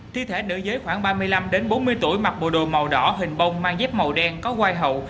thi thể nữ giới khoảng ba mươi năm bốn mươi tuổi mặc bộ đồ màu đỏ hình bông mang dép màu đen có hoai hậu